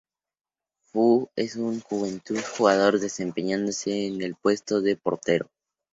Fu en su juventud jugador, desempeñándose en el puesto de portero.